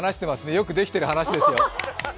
よくできている話ですよ。